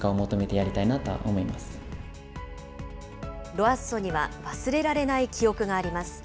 ロアッソには忘れられない記憶があります。